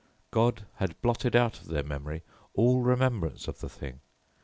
God had blotted out of their memory all remembrance of the thing.